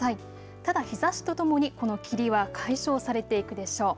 ただ日ざしとともにこの霧は解消されていくでしょう。